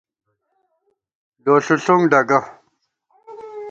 لوݪُݪُنگ ڈگہ